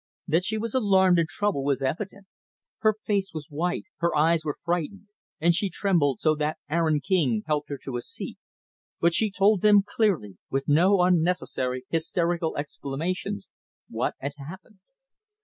That she was alarmed and troubled was evident. Her face was white, her eyes were frightened and she trembled so that Aaron King helped her to a seat; but she told them clearly, with no unnecessary, hysterical exclamations, what had happened.